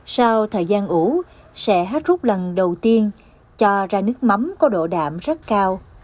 sau thời gian ủ sẽ hát rút lần đầu tiên cho ra nước mắm có độ đạm rất cao